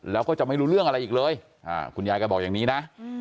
แล้วก็จะไม่รู้เรื่องอะไรอีกเลยคุณยายก็บอกอย่างนี้นะ